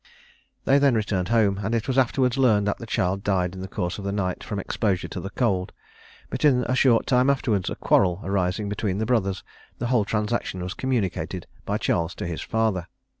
They then returned home; and it was afterwards learned that the child died in the course of the night from exposure to the cold; but in a short time afterwards a quarrel arising between the brothers, the whole transaction was communicated by Charles to his father.